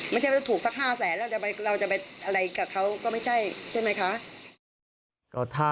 ไม่ใช่ว่าถูกสัก๕แสนแล้วเราจะไปอะไรกับเขาก็ไม่ใช่ใช่ไหมคะ